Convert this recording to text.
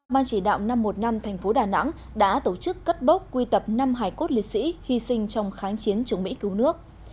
ban chỉ đạo năm trăm một mươi năm tp đà nẵng đã tổ chức cất bốc quy tập năm hải cốt liệt sĩ hy sinh trong kháng chiến chống mỹ cứu nước